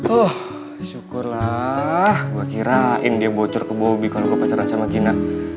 oh syukurlah gua kirain dia bocor ke bobby kalau gua pacaran sama gina